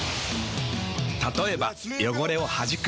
たとえば汚れをはじく。